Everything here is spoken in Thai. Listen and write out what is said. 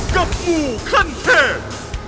กับหมู่ขั้นเทพ